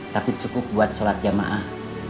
tapi cukup buat sholat jamaah